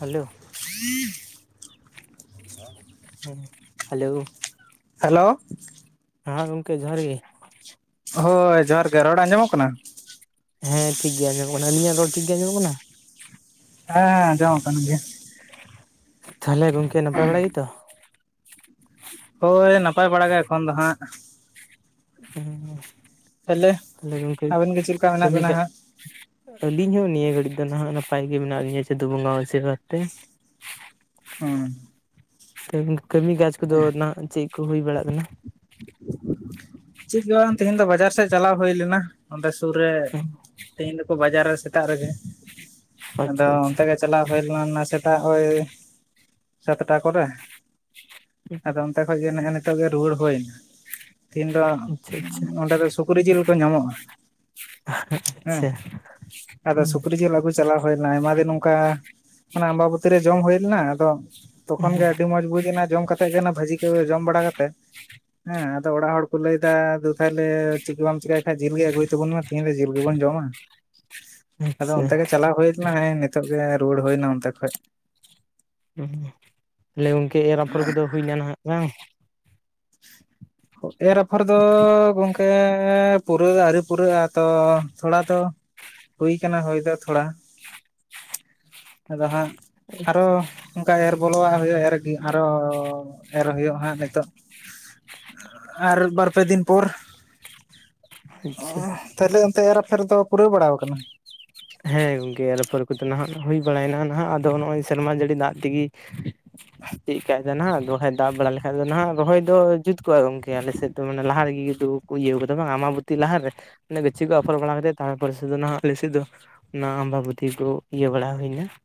Hello. [inaudible] ᱦᱮᱸ hello. Hello. ᱦᱟᱸ ᱜᱚᱝᱠᱮ ᱡᱚᱦᱟᱨ ᱜᱮ᱾ ᱦᱳᱭ ᱡᱚᱦᱟᱨ ᱜᱮ ᱨᱚᱲ ᱟᱸᱡᱚᱢᱚᱜ ᱠᱟᱱᱟ? ᱦᱮᱸ ᱴᱷᱤᱠ ᱜᱮ ᱟᱸᱡᱚᱢᱚᱜ ᱠᱟᱱᱟ᱾ ᱟᱹᱞᱤᱧᱟᱜ ᱨᱚᱲ ᱴᱷᱤᱠ ᱜᱮ ᱟᱸᱡᱚᱢᱚᱜ ᱠᱟᱱᱟ? ᱦᱮᱸᱻ ᱟᱸᱡᱚᱢᱚᱜ ᱠᱟᱱ ᱜᱮᱭᱟ᱾ ᱛᱷᱟᱞᱮ ᱜᱚᱝᱠᱮ ᱱᱟᱯᱟᱭ ᱵᱟᱲᱟ ᱜᱮᱛᱚ? ᱦᱳᱭ ᱱᱟᱯᱟᱭ ᱵᱟᱲᱟ ᱜᱮ ᱮᱠᱷᱚᱱ ᱫᱚ ᱦᱟᱸᱜ᱾ ᱦᱮᱸ ᱛᱟᱦᱞᱮ ᱜᱚᱢᱠᱮ ᱟᱵᱮᱱ ᱜᱮ ᱪᱮᱫ ᱞᱮᱠᱟ ᱢᱮᱱᱟᱜ ᱠᱟᱹᱢᱤ ᱵᱮᱱᱟ ᱠᱷᱮᱜ [inaudible] ᱦᱟᱸᱜ? ᱟᱹᱞᱤᱧ ᱦᱚᱸ ᱱᱤᱭᱟᱹ ᱜᱷᱟᱹᱲᱤᱡ ᱫᱚ ᱱᱟᱦᱟᱜ ᱱᱟᱯᱟᱭ ᱜᱮ ᱢᱮᱱᱟᱜ ᱞᱤᱧᱟᱹ ᱪᱟᱫᱩ ᱵᱚᱸᱜᱟᱣᱟᱜ ᱟᱥᱤᱨ ᱵᱟᱛ ᱛᱮ᱾ ᱦᱮᱸ [unintelligible] ᱠᱟᱹᱝ ᱠᱟᱹᱢᱤ ᱠᱟᱡᱽ ᱠᱚᱫᱚ ᱱᱟᱜ ᱪᱮᱫ ᱠᱚ ᱦᱩᱭ ᱵᱟᱲᱟᱜ ᱠᱟᱱᱟ? ᱪᱮᱫ ᱜᱮ ᱵᱟᱝ ᱛᱮᱦᱤᱧ ᱫᱚ ᱵᱟᱡᱟᱨ ᱥᱮᱫ ᱪᱟᱞᱟᱣ ᱦᱩᱭ ᱞᱮᱱᱟ᱾ ᱚᱸᱰᱮ ᱥᱩᱨ ᱨᱮ ᱛᱤᱦᱤᱧ ᱫᱚᱠᱚ ᱵᱟᱡᱟᱨᱟ ᱥᱮᱛᱟᱜ ᱨᱮᱜᱮ ᱟᱫᱚ ᱟᱪᱪᱷᱟ ᱟᱪᱪᱷᱟ ᱟᱪᱪᱷᱟ ᱚᱱᱛᱮᱜᱮ- -ᱪᱟᱞᱟᱣ ᱦᱩᱭ ᱞᱮᱱᱟ ᱚᱱᱟ ᱥᱮᱛᱟᱜ ᱳᱭ ᱥᱟᱛᱴᱟ ᱠᱚᱨᱮ ᱟᱫᱚᱢ ᱛᱮ ᱠᱷᱚᱱᱚᱡ ᱜᱮ ᱱᱮᱜ-ᱮ ᱱᱤᱛᱚᱜ ᱜᱮ ᱨᱩᱭᱟᱹᱲ ᱦᱳᱹᱭ ᱱᱟ᱾ ᱛᱤᱱ ᱫᱚ ᱟᱪᱪᱷᱟ ᱚᱸᱰᱮ ᱫᱚ ᱥᱩᱠᱨᱤ ᱡᱤᱞ ᱠᱚ ᱧᱟᱢᱚᱜᱼᱟ᱾ ᱦᱮᱸ ᱟᱪᱪᱷᱟ ᱟᱫᱚ ᱥᱩᱠᱨᱤ ᱡᱤᱞ ᱟᱹᱜᱩ ᱪᱟᱞᱟᱣ ᱦᱩᱭᱱᱟ ᱟᱭᱢᱟ ᱫᱤᱱ ᱚᱱᱠᱟ ᱢᱟᱱᱮ ᱟᱢᱵᱟᱵᱟᱹᱛᱤ ᱨᱮ ᱡᱚᱢ ᱦᱩᱭ ᱞᱮᱱᱟ, ᱟᱫᱚ ᱛᱚᱠᱷᱚᱱ ᱜᱮ ᱟᱹᱰᱤ ᱢᱚᱸᱡᱽ ᱵᱩᱡ ᱮᱱᱟ ᱡᱚᱢ ᱠᱟᱛᱮᱜ ᱜᱮ ᱵᱷᱟᱹᱡᱤ ᱠᱚ ᱡᱚᱢ ᱵᱟᱲᱟ ᱠᱟᱛᱮᱜ ᱦᱮᱸ ᱟᱫᱚ ᱚᱲᱟᱜ ᱦᱚᱲ ᱠᱚ ᱞᱟᱹᱭ ᱫᱟ ᱫᱩ ᱛᱟᱦᱚᱞᱮ ᱪᱮᱫᱜᱮ ᱵᱟᱢ ᱪᱮᱠᱟᱭ ᱠᱷᱟᱡ ᱡᱤᱞ ᱜᱮ ᱟᱹᱜᱩᱭ ᱛᱟᱵᱚᱱ ᱢᱮ ᱛᱮᱦᱤᱧ ᱫᱚ ᱡᱤᱞ ᱜᱮᱵᱚᱱ ᱡᱚᱢᱟ ᱾ ᱟᱫᱚ ᱟᱪᱪᱷᱟ ᱚᱱᱛᱮ ᱜᱮ ᱪᱟᱞᱟᱣ ᱦᱩᱭ ᱞᱮᱱᱟ ᱦᱮᱸᱜ-ᱮ ᱱᱤᱛᱳᱜ ᱜᱮ ᱨᱩᱣᱟᱹᱲ ᱦᱩᱭᱱᱟ ᱚᱱᱛᱮ ᱠᱷᱚᱡ ᱾ ᱛᱟᱦᱞᱮ ᱜᱚᱢᱠᱮ ᱮᱨᱯᱷᱚᱨ ᱠᱚᱫᱚ ᱦᱩᱭ ᱱᱟ ᱱᱟᱦᱟᱜ ᱵᱟᱝ? ᱮᱨ ᱟᱯᱷᱚᱨ ᱫᱚ ᱜᱚᱝ ᱠᱮᱸᱻ ᱯᱩᱨᱟᱹᱜ ᱫᱚ ᱟᱹᱣᱨᱤ ᱯᱩᱨᱟᱹᱜᱼᱟ ᱛᱚ ᱛᱷᱚᱲᱟ ᱫᱚ ᱦᱩᱭ ᱠᱟᱱᱟ ᱦᱩᱭ ᱫᱚ ᱛᱷᱚᱲᱟ, ᱟᱫᱚ ᱦᱟᱸᱜ ᱟᱨᱚ ᱚᱱᱠᱟ ᱮᱨ ᱵᱚᱞᱚᱣᱟᱜ ᱦᱩᱭᱩᱜᱼᱟ ᱮᱨᱜᱮ, ᱟᱨᱚ ᱮᱨ ᱦᱩᱭᱩᱜ ᱦᱟᱸᱜ ᱱᱤᱛᱚᱜ ᱾ ᱟᱨ ᱵᱟᱨᱯᱮ ᱫᱤᱱ ᱯᱚᱨ, ᱟᱪᱪᱷᱟ ᱚᱸᱷ ᱾ ᱛᱟᱦᱚᱞᱮ ᱚᱱᱛᱮ ᱮᱨ ᱟᱯᱷᱮᱨ ᱫᱚ ᱯᱩᱨᱟᱹᱣ ᱵᱟᱲᱟᱣ ᱟᱠᱟᱱᱟ? ᱦᱮᱸ ᱜᱚᱢᱠᱮ ᱮᱨᱟᱹᱯᱷᱮᱨ ᱠᱚᱫᱚ ᱱᱟᱦᱟᱜ ᱦᱩᱭ ᱵᱟᱲᱟᱭᱮᱱᱟ ᱱᱟᱦᱟᱜ ᱟᱫᱚ ᱱᱚᱜᱼᱚᱭ ᱥᱮᱨᱢᱟ ᱡᱟᱹᱲᱤ ᱫᱟᱜ ᱛᱮᱜᱮ ᱪᱮᱫ ᱠᱟᱭ ᱫᱟ ᱱᱟ ᱱᱟᱦᱟᱜ, ᱟᱫᱚ ᱵᱟᱠᱷᱟᱡ ᱫᱟᱜ ᱵᱟᱲᱟ ᱞᱮᱠ ᱠᱷᱟᱡ ᱫᱚ ᱱᱟᱦᱟᱜ ᱨᱚᱦᱚᱭ ᱫᱚ ᱡᱩᱛ ᱠᱚᱜᱼᱟ ᱜᱚᱢᱠᱮ ᱟᱞᱮ ᱥᱮᱫ ᱫᱚ ᱢᱟᱱᱮ ᱞᱟᱦᱟ ᱨᱮᱜᱮ ᱫᱩ ᱠᱚ ᱤᱭᱟᱹ ᱟᱠᱟᱫᱟ ᱵᱟᱝ ᱟᱢᱟᱵᱚᱛᱤ ᱞᱟᱦᱟᱨᱮ ᱾ ᱚᱱᱮ ᱜᱟᱪᱷᱤ ᱠᱚ ᱚᱯᱷᱚᱨ ᱵᱟᱲᱟ ᱠᱟᱛᱮ ᱛᱟᱯᱚᱨᱮ ᱥᱩᱫᱷᱩ ᱱᱟᱦᱟᱜ ᱞᱮ ᱥᱮᱫ ᱫᱚ ᱾ ᱚᱱᱟ ᱟᱢᱵᱟᱵᱩᱛᱤ ᱠᱚ ᱤᱭᱟᱹ ᱵᱟᱲᱟ ᱦᱩᱭ ᱮᱱᱟ ᱾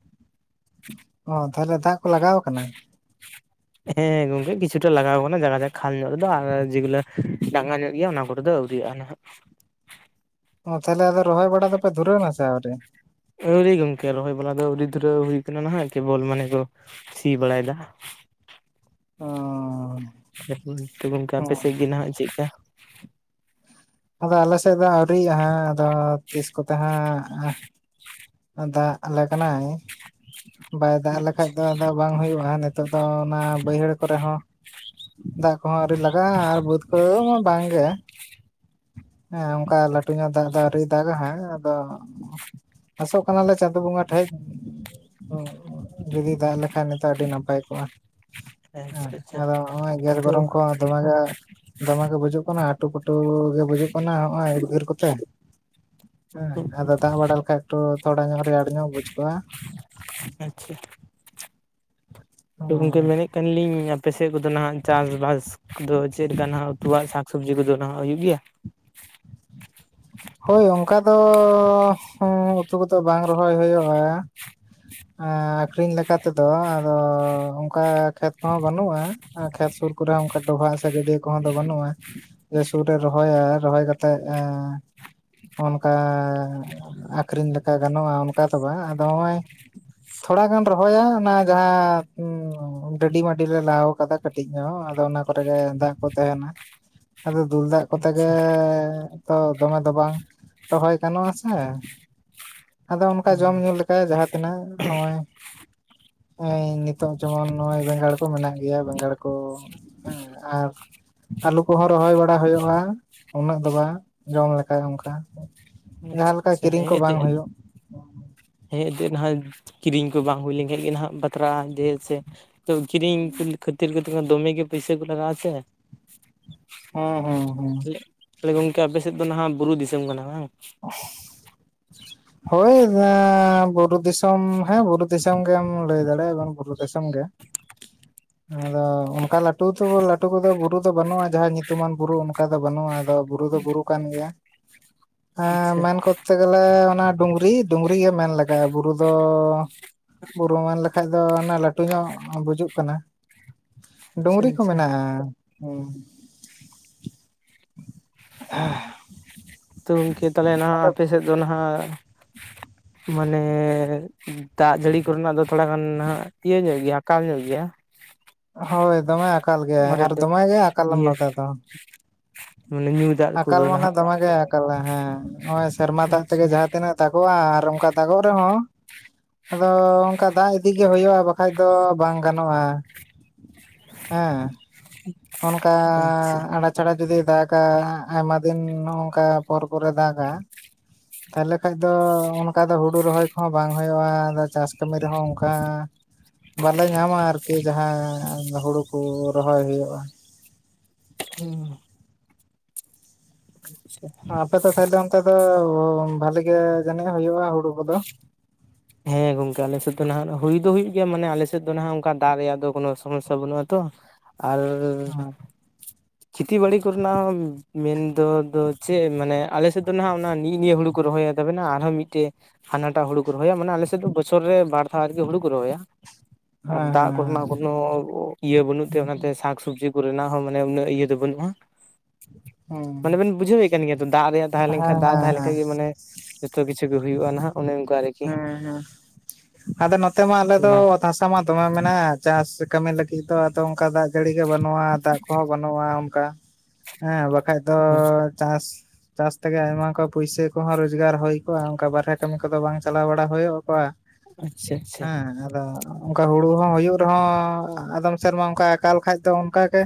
ᱚ ᱛᱟᱦᱚᱞᱮ ᱫᱟᱜ ᱠᱚ ᱞᱟᱜᱟᱣ ᱟᱠᱟᱱᱟ? [unintelligible] ᱦᱮᱸ ᱜᱚᱝᱠᱮ ᱠᱤᱪᱷᱩᱴᱟ ᱞᱟᱜᱟᱣ ᱟᱠᱟᱱᱟ ᱡᱟᱜᱟ [unintelligible] ᱠᱷᱟᱞ ᱧᱚᱜ ᱨᱮᱫᱚ ᱟᱨ ᱡᱮᱜᱩᱞᱟᱹ ᱰᱟᱸᱜᱟ ᱧᱚᱜ ᱜᱮᱭᱟ ᱚᱱᱟ ᱠᱚ ᱫᱚ ᱟᱹᱣᱨᱤᱼᱟ ᱱᱟᱦᱟᱜ ᱾ ᱚ ᱛᱟᱦᱚᱞᱮ ᱟᱫᱚ ᱨᱚᱦᱚᱭ ᱵᱟᱲᱟ ᱫᱚᱯᱮ ᱫᱷᱩᱨᱟᱹᱣᱱᱟ ᱥᱮ ᱟᱹᱣᱨᱤ? ᱟᱹᱣᱨᱤ ᱜᱚᱢᱠᱮ ᱨᱚᱦᱚᱭ ᱵᱟᱞᱟ ᱫᱚ ᱟᱹᱣᱨᱤ ᱫᱷᱩᱨᱟᱹᱣ ᱦᱩᱭ ᱠᱟᱱᱟ ᱱᱟᱦᱟᱜ ᱠᱮᱵᱚᱞ ᱢᱟᱱᱮ ᱠᱚ ᱥᱤ ᱵᱟᱲᱟᱭᱮᱫᱟ ᱾ ᱚᱻ ᱾ [unintelligible] ᱚᱱᱛᱮ ᱜᱚᱝᱠᱮ ᱟᱯᱮ ᱥᱮᱫ ᱜᱮ ᱱᱟᱦᱟᱜ ᱪᱮᱫᱠᱟ? ᱟᱫᱚ ᱟᱞᱮ ᱥᱮᱫ ᱫᱚ ᱟᱹᱣᱨᱤ ᱟᱦᱟᱸᱜ ᱟᱫᱚ ᱛᱤᱥ ᱠᱚᱛᱮ ᱦᱟᱸᱜ ᱫᱟᱜ ᱟᱞᱮ ᱠᱟᱱᱟᱭ ᱵᱟᱭ ᱫᱟᱜ ᱞᱮᱠᱷᱟᱡ ᱫᱚ ᱟᱫᱚ ᱵᱟᱝ ᱦᱩᱭᱩᱜᱼᱟ ᱱᱤᱛᱚᱜ ᱫᱚ ᱚᱱᱟ ᱵᱟᱹᱭᱦᱟᱹᱲ ᱠᱚᱨᱮ ᱦᱚᱸ ᱫᱟᱜ ᱠᱚᱦᱚᱸ ᱟᱹᱣᱨᱤ ᱞᱟᱜᱟᱜᱼᱟ, ᱟᱨ ᱵᱟᱹᱫᱽ ᱠᱚᱫᱚ ᱢᱟ ᱵᱟᱝ ᱜᱮ ᱦᱮᱸ ᱚᱱᱠᱟ ᱞᱟᱹᱴᱩ ᱞᱟᱴᱩ ᱧᱚᱜ ᱫᱟᱜ ᱫᱚ ᱟᱹᱣᱨᱤ ᱫᱟᱜᱟ ᱦᱟᱸᱜ ᱟᱫᱚ [unintelligible] ᱟᱥᱚᱜ ᱠᱟᱱᱟ ᱞᱮ ᱪᱟᱸᱫᱳ ᱵᱚᱸᱜᱟ ᱴᱷᱮᱡ ᱡᱩᱫᱤ ᱫᱟᱜ ᱞᱮᱠᱷᱟᱱ ᱱᱤᱛᱚᱜ ᱟᱹᱰᱤ ᱱᱟᱯᱟᱭ ᱠᱚᱜᱼᱟ ᱟᱪᱪᱷᱟ ᱦᱮᱸ ᱟᱪᱪᱷᱟ ᱟᱫᱚ ᱱᱚᱜᱼᱚᱭ ᱜᱮᱥ ᱛᱚ ᱜᱚᱨᱚᱢ ᱠᱚ ᱫᱚᱢᱮ ᱜᱮ ᱫᱚᱢᱮ ᱜᱮ ᱵᱩᱡᱩᱜ ᱠᱟᱱᱟ ᱟᱴᱩ ᱯᱟᱹᱴᱩ ᱜᱮ ᱵᱩᱡᱩᱜ ᱠᱟᱱᱟ ᱦᱚᱜᱼᱚᱭ ᱩᱫᱽᱜᱟᱹᱨ ᱠᱚᱛᱮ ᱾ ᱦᱮᱸ ᱟᱫᱚ ᱫᱟᱜ ᱵᱟᱲᱟ ᱞᱮᱠᱷᱟᱡ ᱮᱠᱴᱩ ᱛᱷᱚᱲᱟ ᱧᱚᱜ ᱨᱮᱭᱟᱲ ᱧᱚᱜ ᱵᱩᱡ ᱠᱚᱜᱼᱟ ᱾ ᱟᱪᱪᱷᱟ ᱾ ᱛᱚ ᱜᱚᱝᱠᱮ ᱢᱮᱱᱮᱫ ᱠᱟᱱᱞᱤᱧ ᱟᱯᱮ ᱥᱮᱫ ᱠᱚᱫᱚ ᱱᱟᱦᱟᱜ ᱪᱟᱥ ᱵᱟᱥ ᱫᱚ ᱪᱮᱫᱠᱟ ᱱᱟᱦᱟᱜ ᱩᱛᱩᱣᱟᱜ ᱥᱟᱠ ᱥᱚᱵᱽᱡᱤ ᱠᱚᱫᱚ ᱱᱟᱦᱟᱜ ᱦᱩᱭᱩᱜ ᱜᱮᱭᱟ? ᱦᱳᱭ ᱚᱝᱠᱟ ᱫᱚᱻ ᱩᱸ ᱩᱛᱩ ᱠᱚᱫᱚ ᱵᱟᱝ ᱨᱚᱦᱚᱭ ᱦᱳᱭᱳᱜᱼᱟ ᱾ ᱟᱠᱷᱨᱤᱧ ᱞᱮᱠᱟᱛᱮᱫᱚ ᱟᱫᱚ ᱚᱝᱠᱟ ᱠᱷᱮᱛ ᱠᱚᱦᱚᱸ ᱵᱟᱹᱱᱩᱜᱼᱟ ᱾ ᱠᱷᱮᱛ ᱥᱳᱨ ᱠᱚᱨᱮ ᱚᱝᱠᱟ ᱰᱚᱵᱷᱟᱜ ᱥᱮ ᱜᱟᱹᱰᱭᱟᱹ ᱠᱚᱦᱚᱸ ᱫᱚ ᱵᱟᱹᱱᱩᱜᱼᱟ, ᱡᱮ ᱥᱩᱨ ᱨᱮ ᱨᱚᱦᱚᱭᱟ ᱨᱚᱦᱚᱭ ᱠᱟᱛᱮᱫ ᱮᱸᱻ ᱚᱱᱠᱟ ᱟᱠᱷᱨᱤᱧ ᱞᱮᱠᱟ ᱜᱟᱱᱚᱜᱼᱟ ᱚᱱᱠᱟ ᱫᱚ ᱵᱟᱝ, ᱟᱫᱚ ᱦᱚᱸᱜᱼᱚᱭ ᱛᱷᱚᱲᱟ ᱜᱟᱱ ᱨᱚᱦᱚᱭᱟ ᱚᱱᱟ ᱡᱟᱦᱟ ᱰᱟᱹᱰᱤ ᱢᱟᱹᱰᱤᱞᱮ ᱞᱟᱣ ᱠᱟᱫᱟ ᱾ ᱠᱟᱹᱴᱤᱡ ᱧᱚᱜ ᱟᱫᱚ ᱚᱱᱟ ᱠᱚᱨᱮ ᱜᱮ ᱫᱟᱜ ᱠᱚ ᱛᱟᱦᱮᱱᱟ ᱾ [inaudible] ᱟᱫᱚ ᱫᱩᱞ ᱫᱟᱜ ᱠᱚᱛᱮ ᱜᱮ ᱟᱪᱪᱷᱟ ᱛᱚ ᱫᱚᱢᱮ ᱫᱚ ᱵᱟᱝ ᱨᱚᱦᱚᱭ ᱜᱟᱱᱚᱜ-ᱟ ᱥᱮ ᱾ ᱟᱫᱚ ᱚᱱᱠᱟ ᱚ ᱡᱚᱢ ᱧᱩ ᱞᱮᱠᱟ ᱡᱟᱦᱟ ᱛᱤᱱᱟᱹᱜ ᱦᱚᱜ-ᱚᱭ ᱾ ᱱᱤ ᱱᱤᱛᱚᱜ ᱡᱮᱢᱚᱱ ᱱᱚᱜᱼᱚᱭ ᱵᱮᱸᱜᱟᱲ ᱠᱚ ᱢᱮᱱᱟᱜ ᱜᱮᱭᱟ, ᱵᱮᱸᱜᱟᱲ ᱠᱚ ᱦᱮᱸ ᱟᱨ ᱟᱹᱞᱩ ᱠᱚᱦᱚ ᱨᱚᱦᱚᱭ ᱵᱟᱲᱟ ᱦᱩᱭᱩᱜᱼᱟ ᱩᱱᱟᱹᱜ ᱫᱚ ᱵᱟ ᱾ ᱡᱚᱢ ᱞᱮᱠᱟ ᱚᱱᱠᱟ ᱡᱟᱦᱟ ᱟᱪᱪᱷᱟ ᱞᱮᱠᱟ ᱟᱪᱪᱷᱟ ᱠᱤᱨᱤᱧ ᱠᱚ ᱵᱟᱝ ᱦᱳᱭᱳᱜ ᱾ ᱦᱮᱸᱜᱮ ᱱᱟᱦᱟᱭ ᱠᱤᱨᱤᱧ ᱠᱚ ᱵᱟᱝ ᱦᱩᱭ ᱞᱮᱱᱠᱷᱟᱡ ᱜᱮ ᱱᱟᱦᱟᱜ ᱵᱟᱛᱨᱟ ᱡᱮᱞ ᱥᱮᱼᱼ ᱛᱚ ᱠᱤᱨᱤᱧ ᱠᱷᱟᱹᱛᱤᱨ ᱜᱮᱛᱚ ᱫᱚᱢᱮ ᱜᱮ ᱯᱩᱭᱥᱟᱹ ᱠᱚ ᱞᱟᱜᱟᱜ ᱟᱥᱮ᱾ ᱚᱸ ᱦᱩᱸ ᱦᱩᱸᱼᱼ ᱛᱟᱦᱞᱮ ᱜᱚᱝᱠᱮ ᱟᱯᱮ ᱥᱮᱫ ᱫᱚ ᱱᱟᱦᱟᱜ ᱵᱩᱨᱩ ᱫᱤᱥᱟᱹᱢ ᱠᱟᱱᱟ ᱵᱟᱝ? [unintelligible] ᱦᱳᱭ ᱫᱟ ᱵᱩᱨᱩ ᱫᱤᱥᱚᱢ ᱦᱮᱸ ᱵᱩᱨᱩ ᱫᱤᱥᱚᱢ ᱜᱮᱢ ᱞᱟᱹᱭ ᱫᱟᱲᱮᱭᱟᱜᱼᱟ ᱵᱩᱨᱩ ᱵᱟᱝ ᱫᱤᱥᱚᱢ ᱜᱮᱼᱼ ᱟᱫᱚ ᱚᱱᱠᱟ ᱞᱟᱹᱴᱩ ᱛᱚ ᱞᱟᱹᱴᱩ ᱠᱚᱫᱚ ᱵᱩᱨᱩ ᱫᱚ ᱵᱟᱹᱱᱩᱜᱼᱟ, ᱡᱟᱦᱟᱸ ᱧᱩᱛᱩᱢᱟᱱ ᱵᱩᱨᱩ ᱚᱱᱠᱟ ᱫᱚ ᱵᱟᱹᱱᱩᱜᱼᱟ ᱟᱫᱚ᱾ ᱵᱩᱨᱩ ᱫᱚ ᱵᱩᱨᱩ ᱠᱟᱱ ᱜᱮᱭᱟ, ᱮᱸ ᱟᱪᱪᱷᱟ ᱢᱮᱱ ᱠᱳᱛᱛᱮ ᱜᱮᱞᱮ ᱚᱱᱟᱼᱼ ᱰᱩᱝᱨᱤ ᱰᱩᱝᱨᱤ ᱜᱮ ᱢᱮᱱ ᱞᱟᱜᱟᱜᱼᱟ, ᱵᱩᱨᱩ ᱫᱚ ᱵᱩᱨᱩ ᱢᱟ ᱞᱟᱹᱼᱼ ᱠᱷᱟᱡ ᱫᱚ ᱚᱱᱟ ᱞᱟᱹᱴᱩ ᱧᱚᱜ ᱵᱩᱡᱩᱜ ᱠᱟᱱᱟ, ᱟᱪᱪᱷᱟ ᱰᱩᱝᱨᱤ ᱠᱚ ᱟᱪᱪᱷᱟ ᱢᱮᱱᱟᱜᱼᱟ᱾ [unintelligible] ᱛᱳ ᱜᱚᱝᱠᱮ ᱛᱟᱞᱦᱮ ᱱᱟᱦᱟᱜ ᱟᱫᱚ ᱟᱯᱮᱥᱮᱫ ᱫᱚ ᱱᱟᱦᱟᱜ ᱢᱟᱱᱮᱼᱼ ᱫᱟᱜ ᱡᱟᱹᱲᱤ ᱠᱚᱨᱮᱱᱟᱜ ᱫᱚ ᱛᱷᱚᱲᱟ ᱜᱟᱱ ᱱᱟᱦᱟᱜ ᱤᱭᱟᱹ ᱧᱚᱜ ᱜᱮᱭᱟ ᱟᱠᱟᱞ ᱧᱚᱜ ᱜᱮᱭᱟ? ᱦᱳᱭ ᱫᱚᱢᱮ ᱟᱠᱟᱞ ᱜᱮᱭᱟᱭ ᱢᱟᱨᱮ ᱟᱨ ᱫᱚ ᱫᱚᱢᱮ ᱜᱮᱭ ᱟᱠᱟᱞᱟ ᱱᱤᱭᱟᱹ ᱱᱚᱛᱮ ᱫᱚ᱾ ᱢᱟᱱᱮ ᱧᱩᱼᱼ ᱟᱠᱟᱞ ᱢᱟᱱᱮ ᱫᱚᱢᱮ ᱜᱮᱭ ᱟᱠᱟᱞᱟᱭ ᱦᱮᱸ, ᱱᱚᱜ-ᱚᱭ ᱥᱮᱨᱢᱟ ᱫᱟᱜ ᱛᱮᱜᱮ ᱟᱪᱪᱷᱟ ᱡᱟᱦᱟ ᱛᱤᱱᱟᱹᱜᱼᱼ ᱫᱟᱜᱚᱜᱼᱟ, ᱟᱨ ᱚᱝᱠᱟ ᱫᱟᱜᱚᱜ ᱨᱮᱦᱚᱸ ᱟᱫᱚ ᱚᱝᱠᱟ ᱫᱟᱜ ᱤᱫᱤᱜᱮ ᱦᱩᱭᱩᱜᱼᱟ ᱵᱟᱼᱼ ᱠᱷᱟᱡ ᱫᱚ ᱵᱟᱝ ᱜᱟᱱᱚᱜᱼᱟ ᱦᱮᱸ᱾ ᱚᱱᱠᱟ ᱟᱪᱪᱷᱟ ᱟᱲᱟ ᱪᱷᱟᱲᱟ ᱡᱩᱫᱤ ᱫᱟᱜ-ᱟ ᱟᱭᱢᱟ ᱫᱤᱱ ᱱᱚᱜᱚᱝᱠᱟᱼᱼ ᱯᱚᱨ ᱯᱚᱨᱮ ᱫᱟᱜ-ᱟ᱾ ᱛᱦᱟᱞᱮ ᱠᱷᱟᱡ ᱫᱚ ᱚᱱᱠᱟ ᱫᱚ ᱦᱩᱲᱩ ᱨᱚᱦᱚᱭ ᱠᱚᱦᱚᱸ ᱵᱟᱝ ᱦᱩᱭᱩᱜᱼᱟ, ᱟᱫᱚ ᱪᱟᱥ ᱠᱟᱢᱤ ᱨᱮᱦᱚᱸ ᱚᱝᱠᱟᱼᱼ ᱵᱟᱞᱮ ᱧᱟᱢᱟ ᱟᱨᱠᱤ ᱡᱟᱸᱦᱟ ᱦᱩᱲᱩ ᱠᱚ ᱨᱚᱦᱚᱭ ᱦᱩᱭᱩᱜᱼᱟ᱾ [unintelligible] [unintelligible] ᱟᱯᱮ ᱛᱚ ᱛᱟᱦᱞᱮ ᱚᱱᱛᱮ ᱫᱚ ᱵᱷᱟᱞᱤ ᱜᱮ ᱡᱟᱱᱤᱡ ᱦᱩᱭᱩᱜᱼᱟ ᱦᱩᱲᱩ ᱠᱚᱫᱚ? ᱦᱮᱸ ᱜᱚᱢᱠᱮ, ᱟᱞᱮ ᱥᱮᱫ ᱫᱚ ᱱᱟᱦᱟᱜ ᱦᱩᱭ ᱫᱚ ᱦᱩᱭᱩᱜ ᱜᱮᱭᱟ, ᱢᱟᱱᱮ ᱟᱞᱮ ᱥᱮᱫ ᱫᱚ ᱱᱟᱦᱟᱜ ᱚᱱᱠᱟ ᱫᱟᱜ ᱨᱮᱭᱟᱜ ᱫᱚ ᱠᱳᱱᱳ ᱥᱚᱢᱚᱥᱥᱟ ᱵᱟᱹᱱᱩᱜ ᱟ ᱛᱚ᱾ ᱟᱨᱼᱼ ᱦᱮᱸ᱾ ᱪᱤᱠᱤ ᱵᱟᱲᱤ ᱠᱚᱨᱮᱱᱟᱜ ᱦᱚᱸ ᱢᱮᱱᱫᱚ ᱫᱚ ᱪᱮᱜ ᱢᱟᱱᱮ ᱟᱞᱮᱥᱮᱫ ᱫᱚ ᱱᱟᱦᱟᱜ ᱚᱱᱟ ᱱᱤ ᱱᱤᱭᱟᱹ ᱦᱩᱲᱩ ᱠᱚ ᱨᱚᱦᱚᱭᱟ᱾ ᱛᱟᱵᱮᱱᱟ ᱟᱨᱦᱚᱸ ᱢᱤᱴᱮᱜ ᱦᱟᱱᱟᱴᱟᱜ ᱦᱩᱲᱩ ᱠᱚ ᱨᱚᱦᱚᱭᱟ ᱢᱟᱱᱮ ᱟᱞᱮ ᱥᱮᱫ ᱫᱚ ᱵᱚᱪᱷᱚᱨ ᱨᱮ ᱵᱟᱨ ᱫᱷᱟᱣ ᱜᱮ ᱦᱩᱲᱩ ᱠᱚ ᱨᱚᱦᱚᱭᱟ᱾ ᱟᱨ ᱦᱮᱸ ᱦᱮᱸ ᱫᱟᱜ ᱠᱚ ᱨᱮᱱᱟᱜ ᱠᱳᱱᱳ ᱤᱭᱟᱹ ᱵᱟᱹᱱᱩᱜ ᱛᱮ ᱦᱮᱸ ᱚᱱᱟᱛᱮ ᱥᱟᱠ ᱥᱚᱵᱽᱡᱤ ᱠᱚᱨᱮᱱᱟᱜ ᱦᱚᱸ ᱢᱟᱱᱮ ᱩᱱᱟᱹᱜᱼᱼ ᱤᱭᱟᱹ ᱫᱚ ᱵᱟᱹᱱᱩᱜᱼᱟ, ᱢᱟᱱᱮ ᱦᱮᱸ ᱵᱮᱱ ᱵᱩᱡᱷᱟᱹᱣᱮᱜ ᱠᱟᱱ ᱜᱮᱭᱟ ᱛᱚ ᱫᱟᱜ ᱨᱮᱭᱟᱜ ᱛᱟᱦᱮᱸ ᱦᱮᱸ ᱞᱮᱝᱠᱷᱟᱱ ᱦᱮᱸ ᱫᱟᱜ ᱛᱟᱦᱮᱸ ᱦᱮᱸ ᱞᱮᱝᱠᱷᱟᱱ ᱜᱮ ᱢᱟᱱᱮ ᱡᱚᱛᱚ ᱠᱤᱪᱷᱩ ᱜᱮ ᱦᱩᱭᱩᱜᱼᱟ ᱱᱟᱦᱟᱜ, ᱚᱱᱮ ᱚᱱᱠᱟ ᱟᱨᱼᱼ ᱦᱮᱸ ᱦᱮᱸ ᱟᱫᱚ ᱱᱚᱛᱮ ᱢᱟ ᱟᱞᱮ ᱛᱚ ᱫᱚ ᱚᱱᱟ ᱫᱷᱟᱥᱼᱼ ᱢᱟ ᱫᱚᱢᱮ ᱢᱮᱱᱟᱜᱼᱟ᱾ ᱪᱟᱥ ᱠᱟᱹᱢᱤ ᱞᱟᱹᱜᱤᱫ ᱫᱚ ᱟᱫᱚ ᱚᱱᱠᱟ ᱫᱟᱜᱽ ᱡᱟᱹᱲᱤ ᱜᱮ ᱵᱟᱹᱱᱩᱜᱼᱟ, ᱫᱟᱜᱽ ᱠᱚᱦᱚᱸ ᱵᱟᱹᱱᱩᱜᱼᱟ᱾ ᱚᱱᱠᱟ ᱦᱮᱸ ᱵᱟᱠᱷᱟᱡ ᱫᱚᱼᱼ ᱪᱟᱥ ᱪᱟᱥ ᱛᱮᱜᱮ ᱟᱭᱢᱟ ᱠᱚ ᱯᱩᱭᱥᱟᱹ ᱠᱚᱦᱚᱸ ᱨᱚᱡᱽᱜᱟᱨ ᱦᱳᱭ ᱠᱚᱜᱼᱟ᱾ ᱚᱱᱠᱟ ᱵᱟᱨᱦᱮ ᱠᱟᱹᱢᱤ ᱠᱚᱫᱚ ᱵᱟᱝ ᱪᱟᱞᱟᱣ ᱵᱟᱲᱟ ᱦᱳᱭᱳᱜ ᱠᱚᱣᱟ ᱟᱪᱪᱷᱟ ᱟᱪᱪᱷᱟ ᱦᱮᱸ ᱟᱫᱚ ᱚᱱᱠᱟ ᱦᱩᱲᱩ ᱦᱚᱸ ᱦᱩᱭᱩᱜ ᱨᱮᱦᱚᱸ ᱟᱫᱚᱢ ᱥᱮᱨᱢᱟ ᱚᱱᱠᱟ ᱟᱠᱟᱠᱟᱞ ᱠᱷᱟᱡ ᱫᱚ ᱚᱱᱠᱟᱜᱮᱼᱼ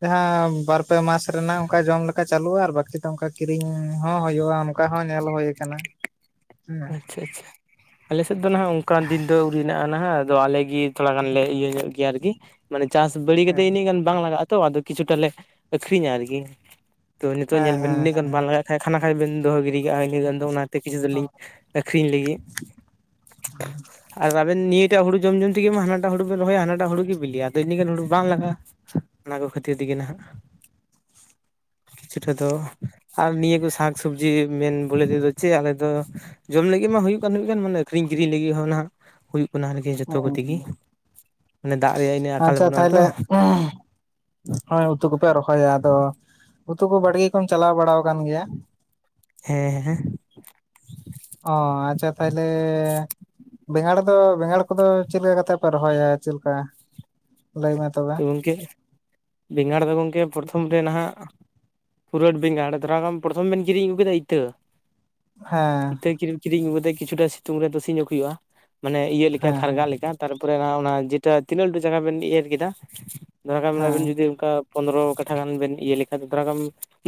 ᱡᱟᱦᱟᱸ ᱵᱟᱨ ᱯᱮ ᱢᱟᱥ ᱨᱮᱱᱟᱜ ᱚᱱᱠᱟ ᱡᱚᱢ ᱞᱮᱠᱟ ᱪᱟᱹᱞᱩᱜᱼᱟ, ᱟᱨ ᱵᱟᱠᱤ ᱫᱚ ᱚᱱᱠᱟ ᱼᱼ ᱠᱤᱨᱤᱧ ᱦᱚᱸ ᱦᱳᱭᱳᱜᱼᱟ, ᱚᱱᱠᱟ ᱦᱚᱸ ᱧᱮᱞ ᱦᱳᱭ ᱟᱠᱟᱱᱟ ᱦᱮᱸ᱾ ᱟᱪᱷᱟ ᱟᱞᱮᱥᱮᱫ ᱫᱚ ᱱᱟᱦᱟᱜ ᱚᱱᱠᱟᱱ ᱫᱤᱱ ᱫᱚ ᱟᱹᱣᱨᱤ ᱦᱮᱱᱟᱜᱼᱟ, ᱱᱟᱦᱟᱜ ᱟᱫᱚ ᱟᱞᱮᱜᱤ ᱛᱷᱚᱲᱟ ᱜᱟᱱ ᱞᱮ ᱤᱭᱟᱹ ᱧᱚᱜ ᱜᱮᱭᱟ ᱟᱨᱠᱤ ᱢᱟᱱᱮ ᱪᱟᱥ ᱵᱟᱹᱲᱤ ᱠᱟᱛᱮ ᱦᱮᱸ ᱤᱱᱟᱹᱜ ᱜᱟᱱ ᱵᱟᱝ ᱞᱟᱜᱟᱜᱼᱟ᱾ ᱛᱚ ᱟᱫᱚ ᱠᱤᱪᱷᱩ ᱴᱟ ᱞᱮ ᱟᱠᱷᱨᱤᱧᱟ ᱟᱨᱠᱤ᱾ ᱛᱚ ᱱᱤᱛᱚᱜ ᱦᱮᱸ ᱧᱮᱞ ᱦᱮᱸ ᱵᱮᱱ ᱤᱱᱟᱹᱜ ᱦᱮᱸ ᱜᱟᱱ ᱵᱟᱝ ᱞᱟᱜᱟᱜ ᱠᱷᱟᱱ ᱠᱷᱟᱱᱟ ᱠᱷᱟᱡ ᱵᱮᱱ ᱫᱚᱦᱚ ᱜᱤᱰᱤ ᱠᱟᱜᱼᱟ, ᱤᱱᱟᱹ ᱜᱟᱱ ᱫᱚ ᱚᱱᱟᱛᱮ ᱠᱤᱪᱩ ᱫᱚ ᱞᱤᱧ ᱟᱹᱠᱷᱨᱤᱧ ᱞᱟᱹᱜᱤᱫ᱾ ᱟᱨ ᱟᱵᱮᱱ ᱱᱤᱭᱟᱹ ᱴᱟᱜ ᱦᱩᱲᱩ ᱡᱚᱢ ᱡᱚᱢ ᱛᱮᱜᱮ ᱢᱟ ᱦᱟᱱᱟᱴᱟᱜ ᱦᱩᱲᱩ ᱵᱮᱱ ᱨᱚᱦᱚᱭᱟ ᱦᱟᱱᱟ ᱦᱩᱲᱩ ᱜᱮ ᱵᱤᱞᱤᱜ-ᱟ, ᱟᱫᱚ ᱤᱱᱟᱹᱜᱟᱱ ᱦᱩᱲᱩ ᱵᱟᱝ ᱞᱟᱜᱟᱜ-ᱟ᱾ ᱚᱱᱟ ᱠᱚ ᱠᱷᱟᱹᱛᱤᱨ ᱛᱮᱜᱮ ᱱᱟᱦᱟᱜ᱾ ᱠᱤᱪᱷᱩᱴᱟ ᱫᱚ ᱟᱨ ᱱᱤᱭᱟᱹ ᱠᱚ ᱥᱟᱠᱼᱥᱚᱵᱽᱡᱤ ᱢᱮᱱ ᱵᱚᱞᱮ ᱛᱮᱫᱚ ᱪᱮᱫ ᱟᱞᱮᱫ ᱫᱚ ᱡᱚᱢ ᱞᱟᱹᱜᱤᱜ ᱢᱟ ᱦᱩᱭᱩᱜ ᱠᱟᱱ ᱦᱩᱭᱩᱜ ᱜᱟᱱ ᱢᱟᱱᱮ ᱟᱹᱠᱷᱨᱤᱧ ᱠᱤᱨᱤᱧ ᱞᱟᱹᱜᱤᱫ ᱦᱚᱸ ᱱᱟᱜ ᱦᱩᱭᱩᱜ ᱠᱟᱱᱟ᱾ ᱚ ᱡᱷᱚᱛᱚ ᱠᱚᱛᱮᱜᱤ ᱢᱟᱱᱮ ᱫᱟᱜ ᱨᱮᱭᱟᱜ ᱤᱱᱟᱹᱜ ᱟᱠᱟᱞ ᱵᱟᱹᱱᱩᱜᱼᱟ ᱛᱚ᱾ ᱦᱚᱭ ᱩᱛᱩ ᱠᱚᱯᱮ ᱨᱚᱦᱚᱭᱟ, ᱟᱫᱚ ᱩᱛᱩ ᱠᱚ ᱵᱟᱲᱜᱮ ᱠᱚᱢ ᱪᱟᱞᱟᱣ ᱵᱟᱲᱟᱶ ᱠᱟᱱ ᱜᱮᱭᱟ? [inaudible] ᱦᱮᱸ ᱦᱮᱸ᱾ ᱚᱻ ᱟᱪᱪᱷᱟ ᱛᱟᱭᱞᱮᱻ ᱵᱮᱸᱜᱟᱲ ᱫᱚ ᱵᱮᱸᱜᱟᱲ ᱠᱚᱫᱚ ᱪᱮᱫ ᱞᱮᱠᱟ ᱠᱟᱛᱮᱫ ᱯᱮ ᱨᱚᱦᱚᱭᱟ ᱪᱮᱫ ᱞᱮᱠᱟ ᱞᱟᱹᱭ ᱢᱮ ᱛᱚᱵᱮ? ᱤᱱᱠᱟᱹ ᱵᱮᱸᱜᱟᱲ ᱫᱚ ᱜᱚᱢᱠᱮ ᱯᱨᱚᱛᱷᱚᱢ ᱨᱮ ᱱᱟᱦᱟᱜ ᱯᱩᱨᱟᱹᱴ ᱵᱮᱸᱜᱟᱲ ᱛᱷᱚᱲᱟ ᱜᱟᱱ ᱯᱨᱚᱛᱷᱚᱢ ᱵᱤᱱ ᱠᱤᱨᱤᱧ ᱟᱹᱜᱩ ᱠᱮᱫᱟ ᱤᱛᱟᱹ ᱦᱮᱸ ᱤᱛᱟᱹ ᱠᱤᱨᱤ ᱠᱤᱨᱤᱧ ᱟᱹᱜᱩ ᱠᱟᱛᱮᱫ ᱠᱤᱪᱷᱩᱴᱟ ᱥᱤᱛᱩᱝ ᱨᱮ ᱛᱟᱥᱤ ᱧᱚᱜ ᱦᱩᱭᱩᱜᱼᱟ᱾ ᱢᱟᱱᱮ ᱤᱭᱟᱹ ᱞᱮᱠᱟ ᱦᱮᱸ ᱠᱷᱟᱨᱜᱟ ᱞᱮᱠᱟ ᱛᱟᱨᱯᱚᱨᱮ ᱚᱱᱟ ᱡᱮᱴᱟ ᱛᱤᱱᱟᱹᱜ ᱞᱟᱹᱴᱩ ᱡᱟᱸᱜᱟ ᱵᱤᱱ ᱤᱭᱟᱹ ᱠᱮᱫᱟ᱾ ᱡᱟᱦᱟᱸ ᱠᱷᱟᱱ ᱢᱮ ᱟᱵᱤᱱ ᱦᱮᱸ ᱡᱩᱫᱤ᱾ ᱚᱱᱠᱟ ᱯᱚᱸᱱᱨᱚ ᱠᱟᱴᱷᱟ ᱜᱟᱱ ᱵᱤᱱ ᱤᱭᱟᱹ ᱞᱮᱠᱷᱟᱱ, ᱛᱷᱚᱲᱟ ᱜᱟᱱ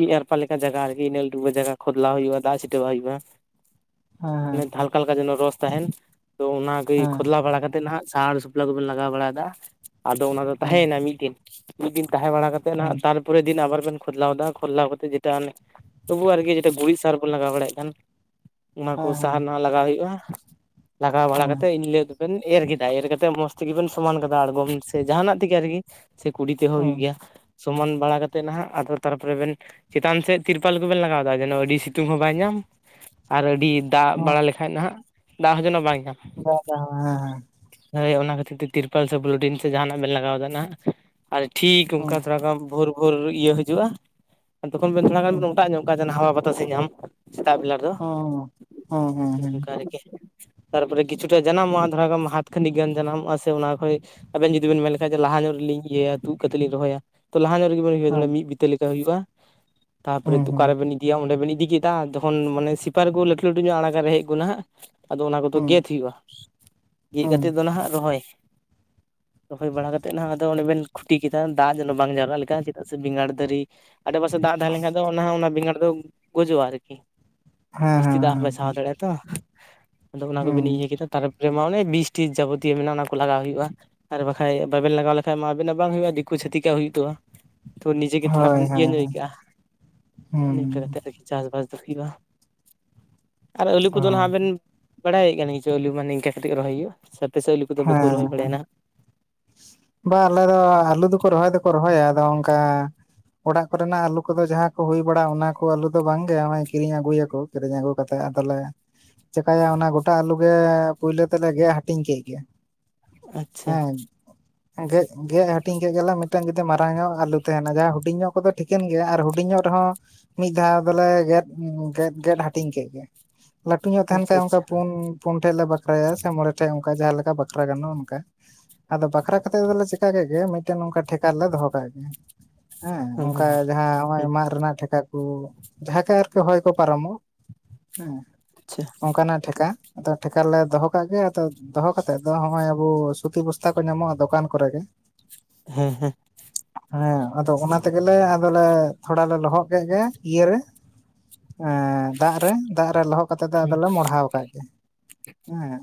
ᱤ-ᱮᱨᱯᱟ ᱞᱮᱠᱟ ᱡᱟᱜᱟ ᱟᱨᱠᱤ ᱤᱱᱟᱹ [unintelligible] ᱡᱟᱭᱜᱟ᱾ ᱠᱷᱳᱫᱽᱞᱟ ᱦᱩᱭᱩᱜ-ᱟ ᱫᱟᱜ ᱥᱤᱴᱟᱹᱣᱟᱭ ᱦᱩᱭᱩᱜ-ᱟ᱾ ᱦᱮᱸ ᱦᱮᱸ ᱦᱟᱞᱠᱟ ᱦᱟᱞᱠᱟ ᱡᱮᱱᱚ ᱨᱚᱥ ᱛᱟᱦᱮᱸᱱ ᱛᱚ ᱚᱱᱟ ᱜᱮ ᱦᱮᱸ ᱠᱷᱚᱫᱽᱞᱟ ᱵᱟᱲᱟ ᱠᱟᱛᱮᱫ ᱱᱟᱦᱟᱜ ᱥᱟᱨ ᱵᱟᱯᱞᱟ ᱠᱚᱵᱚᱱ ᱞᱟᱜᱟᱣ ᱵᱟᱲᱟᱭᱫᱟ ᱟᱫᱚ ᱚᱱᱟ ᱫᱚ ᱦᱮᱸ ᱦᱮᱸ ᱛᱟᱦᱮᱸᱭᱮᱱᱟ ᱢᱤᱫ ᱫᱤᱱ ᱢᱤᱫ ᱫᱤᱱ ᱛᱟᱦᱮᱸ ᱵᱟᱲᱟ ᱠᱟᱛᱮ ᱱᱟᱜ ᱦᱮᱸ ᱛᱟᱨ ᱯᱚᱨᱮᱨ ᱫᱤᱱ ᱟᱵᱟᱨ ᱵᱮᱱ ᱠᱷᱚᱫᱽᱞᱟᱣ ᱫᱟ ᱠᱷᱚᱫᱽᱞᱟᱣ ᱠᱟᱛᱮ ᱡᱮᱴᱟ ᱚᱱᱮ ᱛᱚᱵᱩ ᱟᱨᱠᱤ ᱡᱮᱴᱟ ᱜᱩᱨᱤᱡ ᱥᱟᱨ ᱵᱚᱱ ᱞᱟᱜᱟᱣ ᱵᱟᱲᱟᱭᱮᱜ ᱠᱷᱟᱱ ᱚᱱᱟ ᱠᱚ ᱦᱮᱸ ᱦᱮᱸ ᱦᱮᱸ ᱦᱮᱸ ᱦᱮᱸ ᱦᱮᱸ ᱦᱮᱸ ᱦᱮᱸ ᱦᱮᱸ ᱦᱮᱸ ᱦᱮᱸ ᱦᱮᱸ ᱦᱮᱸ ᱦᱮᱸ ᱦᱮᱸ ᱦᱮᱸ ᱥᱟᱦᱟᱨ ᱱᱟᱦᱟᱜ ᱞᱟᱜᱟᱣ ᱦᱩᱭᱩᱜᱼᱟ ᱞᱟᱜᱟᱣ ᱵᱟᱲᱟ ᱦᱮᱸ ᱠᱟᱛᱮ ᱤᱧ ᱞᱟᱹᱭ ᱵᱮᱱ ᱮᱨ ᱠᱮᱫᱟ ᱮᱨ ᱠᱟᱛᱮ ᱢᱚᱸᱡᱽ ᱛᱮᱜᱮ ᱵᱮᱱ ᱥᱚᱢᱟᱱ ᱠᱟᱫᱟ ᱟᱲᱜᱚᱢ ᱥᱮ ᱡᱟᱦᱟᱸᱱᱟᱜ ᱛᱮᱜᱮ ᱟᱨᱠᱤ᱾ ᱥᱮ ᱠᱩᱰᱤ ᱛᱮᱦᱚᱸ ᱦᱩᱭᱩᱜ ᱜᱮᱭᱟ, ᱥᱚᱢᱟᱱ ᱵᱟᱲᱟ ᱠᱟᱛᱮ ᱱᱟᱦᱟᱜ-ᱟ ᱛᱟᱨᱯᱚᱨᱮ ᱵᱮᱱ ᱪᱮᱛᱟᱱ ᱥᱮᱫ ᱛᱤᱨᱯᱚᱞ ᱠᱚᱵᱮᱱ ᱞᱟᱜᱟᱣ ᱫᱟ ᱡᱮᱱᱚ ᱟᱹᱰᱤ ᱥᱤᱛᱩᱝ ᱦᱚᱸ ᱵᱟᱭ ᱧᱟᱢ ᱟᱨ ᱟᱹᱰᱤ ᱫᱟᱜ ᱵᱟᱲᱟ ᱞᱮᱠᱟᱡ ᱱᱟᱦᱟᱜ ᱫᱟᱜ ᱦᱚᱸ ᱡᱮᱱᱚ ᱵᱟᱭ ᱧᱟᱢ ᱾ [inaudible] ᱦᱮᱸ ᱦᱮᱸ ᱦᱳᱭ ᱚᱱᱟ ᱠᱷᱟᱹᱛᱤᱨ ᱛᱮ ᱛᱤᱨᱯᱚᱞ ᱥᱮ ᱯᱚᱞᱤᱴᱤᱱ ᱥᱮ ᱡᱟᱦᱟᱸᱱᱟᱜ ᱵᱮᱱ ᱞᱟᱜᱟᱣ ᱫᱟ ᱱᱟᱸᱜ ᱟᱨ ᱴᱷᱤᱠ ᱚᱝᱠᱟ ᱛᱷᱚᱲᱟ ᱜᱟᱱ ᱵᱷᱳᱨ ᱵᱷᱳᱨ ᱤᱭᱟᱹ ᱦᱤᱡᱩᱜᱼᱟ᱾ ᱛᱚᱠᱷᱚᱱ ᱵᱮᱱ ᱛᱷᱚᱲᱟ ᱜᱟᱱ ᱵᱮᱱ ᱚᱴᱟᱜ ᱧᱚᱜ ᱠᱟᱜ-ᱟ, ᱡᱮᱱᱚ ᱦᱟᱣᱟ ᱵᱟᱛᱟᱥ ᱮ ᱧᱟᱢ ᱾ ᱥᱮᱛᱟᱜ ᱵᱮᱞᱟ ᱫᱚ ᱱᱚᱝᱠᱟ ᱟᱨᱠᱤ᱾ ᱛᱟᱨᱯᱚᱨᱮ ᱠᱤᱪᱷᱩᱴᱟ ᱡᱟᱱᱟᱢᱚᱜᱼᱟ ᱛᱷᱚᱨᱟ ᱜᱟᱱ ᱦᱟᱛ ᱠᱷᱟᱹᱱᱤᱠ ᱜᱟᱱ ᱡᱟᱱᱟᱢᱚᱜᱼᱟ ᱥᱮ ᱚᱱᱟ ᱠᱷᱚᱡ ᱟᱵᱮᱱ ᱡᱩᱫᱤ ᱵᱮᱱ ᱢᱮᱱ ᱞᱟᱦᱟ ᱧᱚᱜ ᱨᱮᱞᱤᱧ ᱤᱭᱟᱹᱭᱟ ᱛᱩᱫ ᱠᱟᱛᱮ ᱞᱤᱧ ᱨᱚᱦᱚᱭᱟ ᱛᱚ ᱞᱟᱦᱟ ᱧᱚᱜ ᱨᱮᱜᱮ ᱵᱤᱱ ᱤᱭᱟᱹ ᱫᱟᱲᱮᱭᱟᱜ ᱢᱤᱫ᱾ [unintelligible] [unintelligible] ᱞᱮᱠᱟ ᱦᱩᱭᱩᱜᱼᱟ ᱛᱟᱯᱚᱨᱮ ᱛᱚᱠᱟ ᱨᱮᱵᱮᱱ ᱤᱫᱤᱭᱟ ᱚᱸᱰᱮ ᱵᱤᱱ ᱤᱫᱤ ᱠᱮᱫᱟ ᱛᱚᱠᱷᱚᱱ ᱢᱟᱱᱮ ᱥᱤᱯᱟᱹᱨ ᱠᱚ ᱞᱟᱹᱴᱩ ᱞᱟᱹᱴᱩ ᱧᱚᱜ ᱟᱲᱟᱜᱟ ᱨᱮᱦᱮᱜ ᱠᱚ ᱱᱟᱦᱟᱜ ᱟᱫᱚ ᱚᱱᱟ ᱠᱚᱫᱚ ᱜᱮᱫ ᱦᱩᱭᱩᱜᱼᱟ ᱜᱮᱫ ᱠᱟᱛᱮ ᱫᱚ ᱱᱟᱦᱟᱜ ᱨᱚᱦᱚᱭ ᱦᱩᱭ ᱵᱟᱲᱟ ᱠᱟᱛᱮᱫ ᱱᱟᱦᱟᱜ ᱟᱫᱚ ᱚᱸᱰᱮ ᱵᱮᱱ ᱠᱷᱩᱴᱤ ᱠᱮᱫᱟ ᱫᱟᱜ ᱡᱮᱱᱚ ᱵᱟᱝ ᱡᱟᱣᱨᱟᱜ ᱞᱮᱠᱟ ᱪᱮᱫᱟᱜ ᱥᱮ ᱵᱮᱸᱜᱟᱲ ᱫᱟᱨᱮ ᱟᱰᱮᱯᱟᱥᱮ ᱫᱟᱜ ᱛᱟᱦᱮᱸ ᱞᱮᱱᱠᱷᱟᱱ ᱫᱚ ᱚᱱᱟ ᱦᱚᱸ ᱚᱱᱟ ᱵᱮᱸᱜᱟᱲ ᱫᱚ ᱜᱩᱡᱚᱜᱼᱟ ᱟᱨᱠᱤ᱾ ᱡᱟᱹᱥᱛᱤ ᱫᱟᱜ ᱦᱚᱸ ᱵᱟᱭ ᱦᱮᱸ ᱦᱮᱸ ᱥᱟᱦᱟᱣ ᱦᱮᱸ ᱫᱟᱲᱮᱭᱟᱜᱲ-ᱟ ᱛᱚ ᱟᱫᱚ ᱚᱱᱟ ᱠᱚᱜᱮ ᱵᱤᱱ ᱤᱭᱟᱹ ᱠᱮᱫᱟ᱾ ᱛᱟᱨᱯᱚᱨᱮ ᱢᱟ ᱚᱱᱮ ᱵᱤᱥ ᱴᱤᱥ ᱡᱟᱵᱚᱛᱤᱭᱚ ᱢᱮᱱᱟᱜᱼᱟ ᱚᱱᱟ ᱠᱚ ᱞᱟᱜᱟᱣ ᱦᱩᱭᱩᱜ-ᱟ᱾ [unintelligible] ᱵᱟᱵᱮᱱ ᱞᱟᱜᱟᱣ ᱞᱮᱠᱷᱟᱱ ᱢᱟ ᱟᱵᱤᱱᱟᱜ ᱵᱟᱝ ᱦᱩᱭᱩᱜᱼᱟ ᱫᱤᱠᱩ ᱪᱷᱟᱹᱛᱤᱠ ᱟᱜ ᱦᱩᱭᱩᱜ ᱛᱚᱜᱼᱟ ᱛᱚ ᱱᱤᱡᱮᱜᱮ ᱛᱷᱚᱲᱟ ᱦᱳᱭ ᱜᱟᱱ ᱤᱭᱟᱹ ᱦᱳᱭ ᱧᱚᱜ ᱟᱹᱭᱠᱟᱹᱜᱼᱟ ᱦᱮᱸ ᱱᱤᱝᱠᱟᱹ ᱠᱟᱛᱮᱫ ᱟᱨᱠᱤ᱾ ᱪᱟᱹᱥᱵᱟᱥ ᱫᱚ ᱦᱩᱭᱩᱜᱼᱟ ᱟᱨ ᱟᱹᱞᱩ ᱚ ᱠᱚᱫᱚ ᱱᱟᱜ ᱵᱮᱱ᱾ ᱵᱟᱲᱟᱭᱮᱜ ᱠᱟᱱ ᱪᱚ ᱟᱞᱩ ᱢᱟᱱᱮ ᱱᱤᱝᱠᱟ ᱠᱟᱛᱮ ᱨᱚᱦᱚᱭ ᱦᱩᱭᱩᱜᱼᱟ ᱥᱮ ᱟᱯᱮᱥᱮᱫ ᱟᱞᱩ ᱠᱚᱫᱚ ᱵᱟᱠᱚ ᱦᱮᱸ ᱨᱚᱦᱚᱭ ᱵᱟᱲᱟᱭᱟ ᱱᱟᱜ ᱵᱟ ᱟᱞᱮ ᱫᱚ ᱟᱞᱩ ᱫᱚᱠᱚ ᱨᱚᱦᱚᱭ ᱫᱚᱠᱚ ᱨᱚᱦᱚᱭᱟ ᱟᱫᱚ ᱚᱱᱠᱟ ᱚᱲᱟᱜ ᱠᱚᱨᱮᱱᱟᱜ ᱟᱞᱩ ᱠᱚᱫᱚ ᱡᱟᱦᱟᱸ ᱠᱚ ᱦᱩᱭ ᱵᱟᱲᱟᱜ ᱚᱱᱟ ᱠᱚ ᱟᱞᱩ ᱫᱚ ᱵᱟᱝ ᱜᱮ ᱱᱚᱜᱼᱚᱭ ᱠᱤᱨᱤᱧ ᱟᱹᱜᱩᱭᱟ ᱠᱚ᱾ ᱠᱤᱨᱤᱧ ᱟᱹᱜᱩ ᱠᱟᱛᱮᱜ ᱟᱫᱚᱞᱮ ᱪᱮᱠᱟᱭᱟ ᱚᱱᱟ ᱜᱚᱴᱟ ᱟᱞᱩ ᱜᱮ ᱯᱩᱭᱞᱳ ᱛᱮᱞᱮ ᱜᱮᱫ ᱦᱟᱹᱴᱤᱧ ᱠᱮᱫ ᱜᱮ ᱾ ᱟᱪᱪᱷᱟ ᱦᱮᱸ ᱜᱮᱜ ᱜᱮᱜ ᱦᱟᱹᱴᱤᱧ ᱠᱮᱜ ᱜᱮᱞᱮ ᱢᱤᱫᱴᱟᱝ ᱡᱩᱫᱤ ᱢᱟᱨᱟᱝ ᱧᱚᱜ ᱟᱞᱩ ᱛᱟᱦᱮᱸᱱᱟ ᱡᱟᱦᱟᱸ ᱦᱩᱰᱤᱧ ᱧᱚᱜ ᱠᱚᱫᱚ ᱴᱷᱤᱠᱟᱹᱱ ᱜᱮᱭᱟ ᱟᱨ ᱦᱩᱰᱤᱧᱚᱜ ᱨᱮᱦᱚᱸ᱾ ᱢᱤᱫ ᱫᱷᱟᱣ ᱫᱚᱞᱮ ᱜᱮᱫ ᱜᱮᱫ ᱜᱮᱫ ᱦᱟᱹᱴᱤᱧ ᱠᱮᱫ ᱜᱮ᱾ ᱞᱟᱹᱴᱩ ᱧᱚᱜ ᱛᱟᱦᱮᱸᱱ ᱟᱪᱪᱷᱟ ᱠᱷᱟᱡ ᱚᱱᱠᱟ ᱟᱪᱪᱷᱟ ᱯᱩᱱ ᱯᱩᱱ ᱴᱷᱮᱡ ᱞᱮ ᱵᱟᱠᱷᱨᱟᱭᱟ ᱥᱮ ᱢᱚᱬᱮ ᱴᱷᱮᱡ ᱚᱱᱠᱟ ᱡᱟᱦᱟᱸ ᱞᱮ ᱵᱟᱠᱷᱨᱟ ᱜᱟᱱᱚᱜᱼᱟ ᱚᱱᱠᱟ ᱟᱫᱚ ᱵᱟᱠᱷᱨᱟ ᱠᱟᱛᱮ ᱫᱚᱞᱮ ᱪᱮᱠᱟ ᱠᱮᱫ ᱜᱮ ᱢᱤᱫᱴᱮᱱ ᱚᱝᱠᱟ᱾ ᱴᱷᱮᱠᱟ ᱞᱮᱨᱮ ᱫᱚᱦᱚ ᱠᱟᱜ ᱜᱮ ᱦᱮᱸ ᱚᱝᱠᱟ ᱡᱟᱦᱟᱸ ᱦᱚᱸᱜ-ᱚᱭ ᱦᱮᱸ ᱢᱟᱜ ᱨᱮᱱᱟᱜ ᱴᱷᱮ [unintelligible] ᱟᱨᱠᱤ ᱦᱚᱭ ᱠᱚ ᱯᱟᱨᱚᱢᱚᱜ ᱦᱮᱸ᱾ ᱟᱪᱪᱷᱟ ᱚᱱᱠᱟᱱᱟᱜ ᱴᱷᱮᱠᱟ ᱟᱫᱚ ᱴᱷᱮᱠᱟ ᱨᱮᱞᱮ ᱫᱚᱦᱚ ᱠᱟᱜ ᱜᱮ, ᱟᱫᱚ ᱫᱚᱦᱚ ᱠᱟᱜ ᱠᱟᱛᱮᱫ ᱫᱚ ᱦᱚᱜᱼᱚᱭ, ᱟᱵᱚ ᱥᱩᱛᱤ ᱵᱚᱥᱛᱟ ᱠᱚ ᱧᱟᱢᱚᱜᱼᱟ, ᱫᱚᱠᱟᱱ ᱠᱚᱨᱮ ᱜᱮ ᱦᱮᱸ, ᱦᱮᱸ᱾ ᱦᱮᱸ ᱟᱫᱚ ᱚᱱᱟ ᱛᱮᱜᱮᱞᱮ, ᱟᱫᱞᱮ ᱛᱷᱚᱲᱟ ᱞᱮ ᱞᱚᱦᱚᱫ ᱠᱮᱫ ᱜᱮ ᱤᱭᱟᱹᱨᱮ ᱮ ᱫᱟᱜ ᱨᱮ, ᱫᱟᱜ ᱨᱮ ᱞᱚᱦᱚᱜ ᱠᱟᱛᱮ ᱫᱚ ᱦᱮᱸ ᱟᱫᱚᱞᱮ ᱢᱚᱲᱦᱟᱣ ᱠᱟᱜ ᱜᱮᱸ,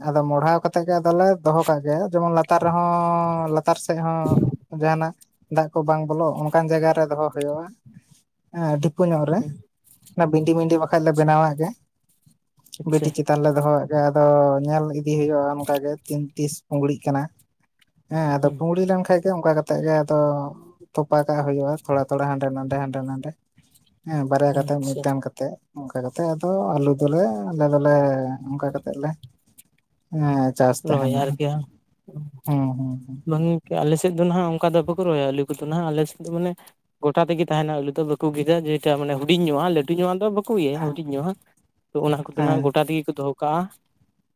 ᱟᱫᱚ ᱢᱚᱲᱦᱟᱣ ᱠᱟᱛᱮ ᱠᱟᱛᱮᱫ ᱜᱮ ᱟᱫᱚᱞᱮ ᱫᱚᱦᱚ ᱠᱟᱜ ᱜᱮᱭᱟ, ᱡᱮᱢᱚᱱ ᱞᱟᱛᱟᱨ ᱨᱮᱦᱚᱸ, ᱞᱟᱛᱟᱨ ᱥᱮᱫ ᱦᱚᱸ ᱡᱟᱦᱟᱱᱟᱜ ᱫᱟᱜ ᱠᱚ ᱵᱟᱝ ᱵᱚᱞᱚᱜ ᱚᱱᱠᱟᱱ ᱡᱟᱭᱜᱟ ᱨᱮ ᱫᱚᱦᱚ ᱦᱳᱭᱳᱜᱼᱟ᱾ ᱮ ᱰᱷᱤᱯᱩ ᱧᱚᱜ ᱨᱮ᱾ ᱚᱱᱟ ᱵᱷᱤᱱᱰᱤ, ᱵᱷᱤᱱᱰᱤ ᱵᱟᱠᱷᱟᱡ ᱞᱮ ᱟᱪᱪᱷᱟ ᱵᱮᱱᱟᱣᱟᱜ ᱜᱮ, ᱟᱪᱪᱷᱟ ᱵᱷᱤᱱᱰᱤ ᱪᱤ ᱞᱟᱛᱟᱨ ᱞᱮ ᱫᱚᱦᱚᱟᱜ ᱜᱮ ᱟᱫᱚ ᱧᱮᱞ ᱤᱫᱤ ᱦᱩᱭᱩᱜᱼᱟ, ᱚᱱᱠᱟᱜᱮ ᱛᱤᱱ ᱛᱤᱥ ᱯᱩᱝᱲᱤᱜ ᱠᱟᱱᱟ᱾ ᱦᱮᱸ ᱟᱫᱚ ᱯᱩᱝᱲᱤ ᱞᱮᱱᱠᱷᱟᱡ ᱜᱮ, ᱚᱱᱠᱟ ᱠᱟᱛᱮ ᱠᱟᱛᱮ ᱜᱮ ᱟᱫᱚ ᱛᱚᱯᱟ ᱠᱟᱜ ᱦᱳᱭᱳᱜᱼᱟ᱾ ᱛᱷᱚᱲᱟ ᱛᱷᱚᱲᱟ ᱦᱟᱸᱰᱮ ᱱᱟᱰᱮ, ᱦᱟᱸᱰᱮ ᱱᱟᱰᱮ᱾ ᱦᱮᱸ ᱵᱟᱨᱭᱟ ᱠᱟᱛᱮ, ᱟᱪᱪᱷᱟ ᱢᱤᱫᱴᱟᱝ ᱠᱟᱛᱮ᱾ ᱠᱟᱛᱮ ᱚᱱᱠᱟ ᱠᱟᱛᱮ ᱟᱫᱚ ᱟᱞᱩ ᱫᱚᱞᱮ, ᱟᱞᱮ ᱫᱚᱞᱮ ᱚᱱᱠᱟ ᱠᱟᱛᱮᱫ ᱞᱮ ᱦᱮᱸ ᱪᱟᱥ ᱨᱚᱦᱚᱭᱟ ᱛᱟᱦᱮᱸᱱᱟ ᱟᱨᱠᱤ ᱵᱟᱝ ᱦᱮᱸ, ᱦᱮᱸ, ᱦᱮᱸ᱾ ᱵᱟᱝ ᱜᱚᱝᱠᱮ ᱟᱞᱮ ᱥᱮᱫ ᱫᱚ ᱱᱟᱦᱱᱟᱜ ᱚᱱᱠᱟ ᱫᱚ ᱵᱟᱠᱚ ᱨᱚᱦᱚᱭᱟ, ᱟᱞᱩ ᱠᱚᱫᱚ ᱦᱟᱜ ᱟᱞᱮᱥᱮᱫ ᱫᱚ ᱢᱟᱱᱮ ᱜᱚᱴᱟ ᱛᱮᱜᱮ ᱛᱟᱦᱮᱸᱱᱟ ᱟᱹᱞᱩ ᱫᱚ, ᱵᱟᱠᱚ ᱜᱮᱫᱟ ᱡᱮᱴᱟ ᱢᱟᱱᱮ ᱦᱩᱰᱤᱧᱚᱜᱼᱟ ᱞᱟᱹᱩ ᱧᱚᱜ ᱫᱚ ᱵᱟ ᱵᱟᱠᱚ ᱤᱭᱟᱹᱭᱟ ᱦᱩᱰᱤᱧ ᱧᱚᱜᱼᱟ ᱦᱟᱸᱜ, ᱛᱚ ᱚᱱᱟ ᱠᱚᱫᱚ ᱦᱮᱸ ᱦᱟᱸᱜ ᱜᱚᱴᱟ ᱛᱮᱜᱮ ᱠᱚ ᱫᱚᱦᱚ ᱠᱟᱜᱼᱟ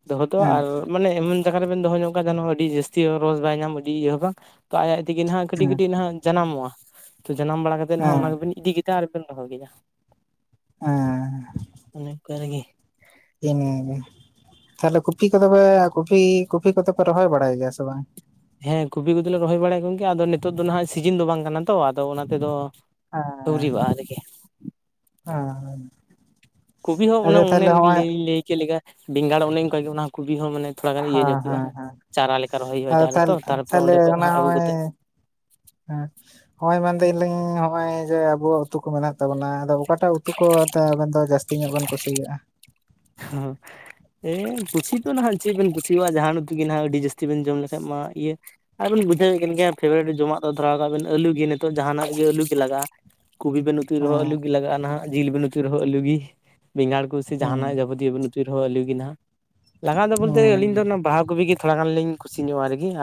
ᱫᱚᱦᱚ ᱫᱚ ᱦᱮᱸ ᱟᱨ ᱢᱟᱱᱮ ᱮᱢᱚᱱ ᱡᱟᱭᱜᱟ ᱨᱮᱵᱤᱱ ᱫᱚᱦᱚ ᱧᱚᱜᱟ, ᱡᱮᱱᱚ ᱟᱹᱰᱤ ᱡᱟᱹᱥᱛᱤ ᱨᱚᱥ ᱵᱟᱭ ᱧᱟᱢ ᱟᱹᱰᱤ ᱤᱭᱟᱹ ᱦᱚ ᱵᱟᱝ᱾ ᱛᱚ ᱟᱡ ᱟᱡ ᱛᱮᱜᱮ ᱱᱟᱸᱜ ᱠᱟᱹᱴᱤᱡ ᱦᱮᱸ ᱠᱟᱹᱴᱤᱡ ᱱᱟᱦᱟᱜ ᱡᱟᱱᱟᱢᱚᱜᱼᱟ᱾ ᱛᱚ ᱡᱟᱱᱟᱢ ᱵᱟᱲᱟ ᱠᱟᱛᱮᱜ ᱚᱱᱟ ᱦᱮᱸ ᱱᱟᱸᱜ ᱵᱤᱱ ᱤᱫᱤ ᱠᱮᱫ᱾ ᱚᱠᱟᱨᱮ ᱵᱮᱱ ᱫᱚᱦᱚ ᱠᱮᱫᱟ? ᱦᱮᱸ ᱚᱱᱮ ᱚᱱᱠᱟ ᱨᱮᱜᱮ ᱦᱮᱸ ᱱᱤᱭᱟᱹ ᱜᱮ ᱛᱟᱦᱚᱞᱮ ᱠᱚᱯᱤ ᱠᱚᱫᱚ, ᱯᱮ ᱠᱚᱯᱤ ᱠᱚᱯᱤ ᱠᱚᱫᱚ ᱯᱮ ᱨᱚᱦᱚᱭ ᱵᱟᱲᱟᱭ ᱜᱮᱭᱟ ᱥᱮ ᱵᱟᱝ? ᱦᱮᱸ ᱠᱚᱯᱤ ᱠᱚᱫᱚᱞᱮ ᱨᱚᱦᱚᱭ ᱵᱟᱲᱟᱭ ᱜᱚᱝᱠᱮ, ᱟᱫᱚ ᱱᱤᱛᱚᱜ ᱫᱚ ᱱᱟᱸᱜ ᱥᱤᱡᱤᱱ ᱫᱚ ᱵᱟᱝ ᱠᱟᱱᱟ ᱛᱚ ᱟᱫᱚ ᱚᱱᱟᱛᱮ ᱫᱚ ᱦᱮᱸ, ᱦᱮᱸ, ᱾ ᱠᱚᱯᱤ ᱦᱚᱸ ᱚᱱᱮ, ᱚᱱᱮ ᱞᱤᱧ ᱞᱟᱹᱭ ᱠᱮᱫ ᱞᱮᱠᱟ, ᱵᱮᱸᱜᱟᱲ ᱚᱱᱮ ᱚᱱᱠᱟ ᱜᱮ ᱠᱚᱯᱤ ᱦᱚᱸ ᱢᱟᱱᱮ ᱛᱷᱚᱲᱟ ᱜᱟᱱ ᱤᱭᱟᱹ ᱦᱮᱸ ᱧᱚᱜ ᱦᱳᱭᱳᱜᱼᱟ, ᱦᱮᱸ ᱪᱟᱨᱟ ᱞᱮᱠᱟ ᱨᱚᱦᱚᱭ ᱦᱳᱭᱳᱜᱼᱟ, ᱟᱫᱚ ᱰᱟᱦᱟᱨᱮ ᱛᱚ ᱛᱟᱦᱚᱞᱮ ᱛᱟᱨᱯᱚᱨᱮ ᱛᱟᱦᱚᱞᱮ ᱚᱸᱰᱮ ᱠᱷᱚᱡ ᱚᱱᱟ ᱦᱟᱸᱜ ᱟᱹᱜᱩ ᱦᱚᱸᱜᱼᱚᱭ ᱠᱟᱛᱮᱫ ᱦᱮᱸ, [unintelligible] ᱱᱚᱜᱼᱚᱭ ᱢᱮᱱᱫᱟᱹ ᱤᱧ ᱱᱚᱜᱼᱚᱭ ᱡᱮ ᱟᱵᱚᱣᱟᱜ ᱩᱛᱩ ᱠᱚ ᱢᱮᱱᱟᱜ ᱛᱟᱵᱚᱱᱟ, ᱟᱫᱚ ᱚᱠᱟᱴᱟᱜ ᱩᱛᱩ ᱠᱚ ᱟᱛᱮ ᱟᱵᱮᱱ ᱫᱚ ᱡᱟᱹᱥᱛᱤ ᱛᱤᱱᱟᱜ ᱵᱮᱱ ᱠᱩᱥᱤᱭᱟᱜᱼᱟ? ᱦᱸ, ᱦᱮᱸ ᱠᱩᱥᱤ ᱫᱚ ᱱᱟᱦᱟᱜ ᱪᱮᱫ ᱵᱮᱱ ᱠᱩᱥᱤᱣᱟᱜᱼᱟ, ᱡᱟᱦᱟᱱ ᱩᱛᱩᱜᱮ ᱦᱟᱸᱜ ᱟᱹᱰᱤ ᱡᱟᱹᱥᱛᱤ ᱵᱮᱱ ᱡᱚᱢ ᱞᱮᱠᱟᱱᱡ ᱢᱟ, ᱤᱭᱟᱹ ᱟᱨᱵᱮᱱ ᱵᱩᱡᱷᱟᱹᱣᱮᱫ ᱠᱟᱱ ᱜᱮᱭᱟ ᱯᱷᱮᱵᱟᱨᱮᱴ ᱡᱚᱢᱟᱜ ᱫᱚ ᱫᱷᱚᱨᱟᱣ ᱠᱟᱜ ᱵᱤᱱ ᱟᱹᱞᱩ ᱜᱮ, ᱱᱤᱛᱚᱜ ᱡᱟᱦᱟᱱᱟᱜ ᱜᱮ ᱟᱹᱞᱩ ᱜᱮ ᱞᱟᱜᱟᱜᱼᱟ᱾ ᱠᱚᱯᱤ ᱵᱤᱱ ᱩᱛᱩ ᱨᱚᱦᱚ ᱦᱮᱸ ᱟᱹᱞᱩ ᱜᱮ ᱞᱟᱜᱟᱜᱼᱟ, ᱱᱟᱦᱟᱜ ᱡᱤᱞ ᱵᱮᱱ ᱩᱛᱩ ᱨᱚᱦᱚᱸ ᱟᱞᱩ ᱜᱮ, ᱵᱮᱸᱜᱟᱲ ᱠᱚ ᱥᱮ ᱡᱟᱦᱟᱱᱟᱜ ᱦᱩᱸ ᱡᱤᱞ ᱵᱤᱱ ᱩᱛᱩᱭ ᱨᱮᱦᱚᱸ ᱟᱹᱞᱩᱜᱮ ᱦᱟᱜ, ᱞᱟᱜᱟᱣ ᱫᱚ ᱵᱚᱞᱛᱮ ᱦᱩᱸ ᱟᱹᱞᱤᱧ ᱫᱚ ᱵᱟᱦᱟ ᱠᱚᱯᱤ ᱜᱮ ᱛᱷᱚᱲᱟ ᱜᱟᱱ ᱞᱤᱧ ᱠᱷᱩᱥᱤᱧᱚᱜᱼᱟ ᱟᱨᱤ ᱠᱤ᱾